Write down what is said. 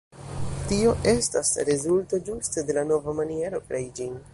Tio estas rezulto ĝuste de la nova maniero krei ĝin.